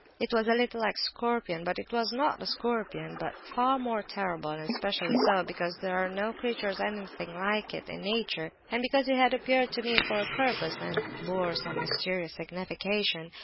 It was a little like a scorpion, but was not a scorpion, but far more horrible, and especially so, because there are no creatures anything like it in nature, and because it had appeared to me for a purpose, and bore some mysterious signification.